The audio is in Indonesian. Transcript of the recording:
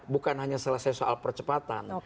bukan hanya selesai soal percepatan